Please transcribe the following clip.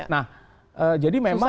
nah jadi memang